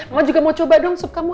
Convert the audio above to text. mama juga mau coba dong sup kamu